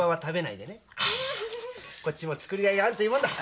こっちも作りがいがあるというもんだ。